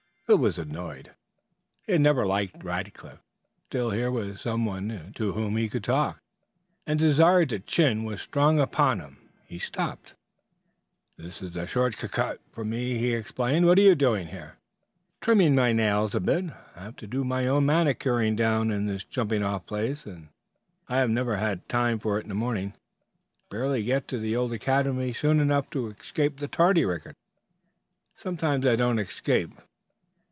Phil was annoyed. He had never liked Rackliff. Still here was some one to whom he could talk, and desire to "chin" was strong upon him. He stopped. "This is a short cuc cut for me," he explained. "What are you doing here?" "Trimming my nails a bit. Have to do my own manicuring down in this jumping off place, and I never have time for it mornings; barely get to the old academy soon enough to escape the tardy record sometimes I don't escape.